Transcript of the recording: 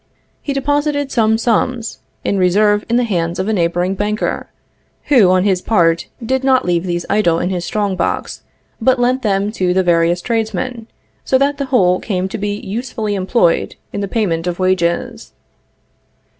He deposited some sums in reserve in the hands of a neighboring banker, who on his part did not leave these idle in his strong box, but lent them to various tradesmen, so that the whole came to be usefully employed in the payment of wages.